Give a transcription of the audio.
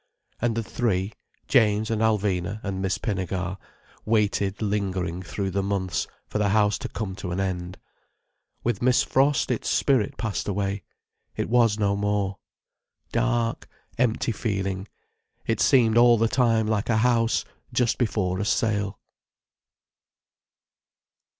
And the three, James and Alvina and Miss Pinnegar, waited lingering through the months, for the house to come to an end. With Miss Frost its spirit passed away: it was no more. Dark, empty feeling, it seemed all the time like a house just before a sale.